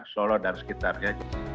solo dan sekitarnya